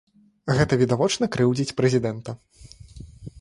Гэта відавочна крыўдзіць прэзідэнта.